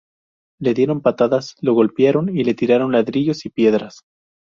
Le dieron patadas, lo golpearon y le tiraron ladrillos y piedras.